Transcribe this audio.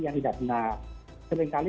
yang tidak benar seringkali